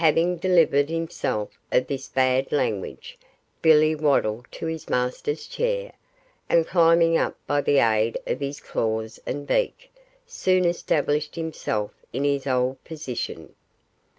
Having delivered himself of this bad language, Billy waddled to his master's chair, and climbing up by the aid of his claws and beak, soon established himself in his old position.